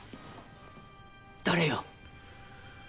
誰よ？